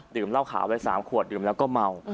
เหล้าขาวไว้๓ขวดดื่มแล้วก็เมา